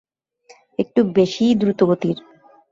একটু বেশিই দ্রুতগতির।